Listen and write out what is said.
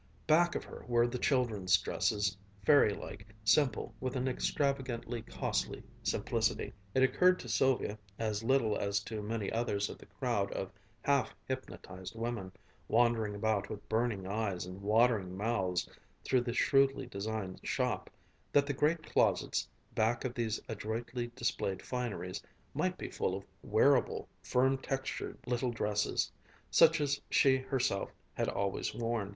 Back of her were the children's dresses, fairy like, simple with an extravagantly costly simplicity. It occurred to Sylvia as little as to many others of the crowd of half hypnotized women, wandering about with burning eyes and watering mouths through the shrewdly designed shop, that the great closets back of these adroitly displayed fineries might be full of wearable, firm textured little dresses, such as she herself had always worn.